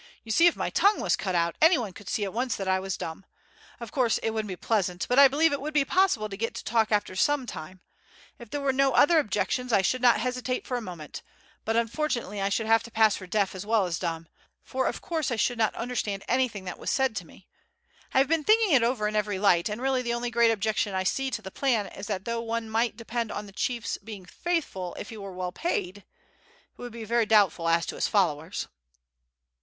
"You see, if my tongue was cut out anyone could see at once that I was dumb. Of course it wouldn't be pleasant, but I believe it would be possible to get to talk after some time. If there were no other objections I should not hesitate for a moment; but unfortunately I should have to pass for deaf as well as dumb, for of course I should not understand anything that was said to me. I have been thinking it over in every light, and really the only great objection I see to the plan is that though one might depend upon the chief's being faithful if he were well paid, it would be very doubtful as to his followers."